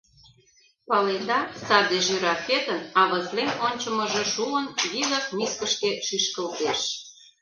Паледа: саде жирафетын авызлен ончымыжо шуын, вигак мискышке шӱшкылтеш.